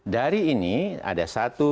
dari ini ada satu dua tiga empat lima